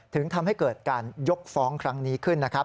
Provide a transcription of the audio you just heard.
ถึงทำให้เกิดการยกฟ้องครั้งนี้ขึ้นนะครับ